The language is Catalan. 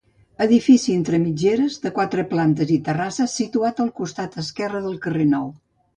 Edifici entre mitgeres de quatre plantes i terrassa situat al costat esquerre del carrer Nou.